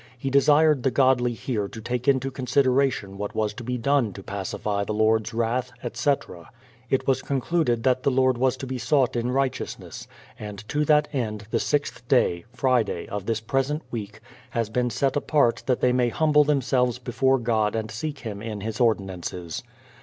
He desired the godly here to take into consideration what was to be done to pacify Ae Lord's wrath, etc. It was concluded that the Lord was to be sought in righteousness ; and to that end, the 6th day (Friday) of this present week, has THE PLYMOUTH SETTLEMENT 225 been set apart that they may humble themselves before God and seek Him in His ordinances.